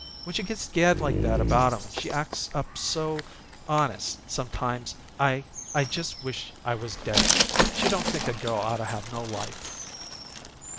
When she gets scared like that about 'em she acts up so, honest, sometimes I I just wish I was dead. She don't think a girl oughtta have no life."